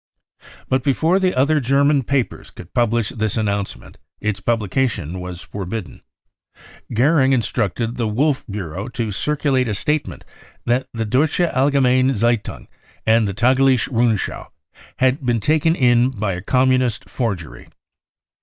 But before the other German papers could publish this announcement, its publication was forbidden. Goering instructed the Wolf Bureau to circulate a sta tement that the Deutsche Allgemeim Zeitung and the Tagliche Rundschau had been taken in by a Communist forgery.